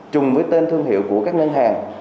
chung với tên thương hiệu của các ngân hàng